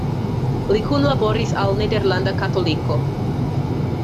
Li kunlaboris al "Nederlanda Katoliko".